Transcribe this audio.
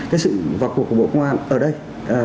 cái sự vào cuộc của bộ công an ở đây